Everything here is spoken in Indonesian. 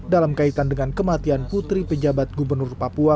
dalam kaitan dengan kematian putri pejabat gubernur papua